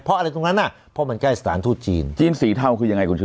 เพราะอะไรตรงนั้นน่ะเพราะมันใกล้สถานทูตจีนจีนสีเทาคือยังไงคุณชุ